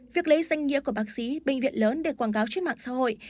việc lấy danh nghĩa của bác sĩ bệnh viện lớn để quảng cáo trên mạng xã hội